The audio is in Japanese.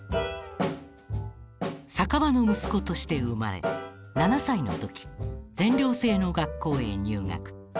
酒場の息子として生まれ７歳の時全寮制の学校へ入学。